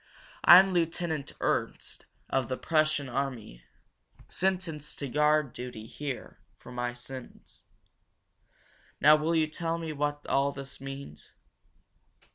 "I'm Lieutenant Ernst, of the Prussian army. Sentenced to guard duty here for my sins. Now will you tell me what all this means?"